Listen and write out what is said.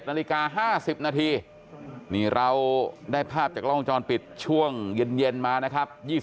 นาฬิกา๕๐นาทีนี่เราได้ภาพจากล้องวงจรปิดช่วงเย็นมานะครับ